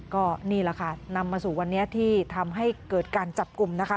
ก็นี่แหละค่ะนำมาสู่วันนี้ที่ทำให้เกิดการจับกลุ่มนะคะ